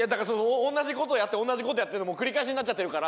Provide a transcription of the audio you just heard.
同じ事をやって同じ事をやっての繰り返しになっちゃってるから。